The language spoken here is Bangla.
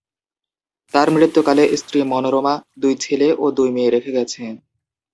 তিনি মৃত্যুকালে স্ত্রী মনোরমা, দুই ছেলে ও দুই মেয়ে রেখে গেছেন।